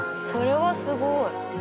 それはすごい。